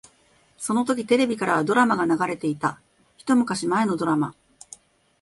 そのときテレビからはドラマが流れていた。一昔前のドラマ。